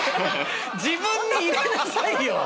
自分に入れなさいよ！